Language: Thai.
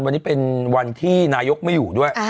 วันนี้เป็นวันที่นายกไม่อยู่ด้วย